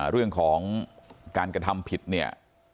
เรื่องของการกระทำผิดเนี่ย